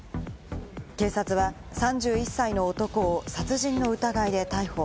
警察は３１歳の男を殺人の疑いで逮捕。